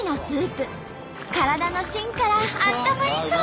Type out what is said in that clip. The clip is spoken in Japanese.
体のしんからあったまりそう！